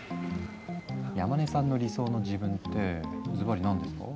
山根さんの理想の自分ってズバリ何ですか？